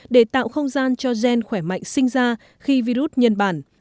để tạo không gian cho gen khỏe mạnh sinh ra khi virus nhân bản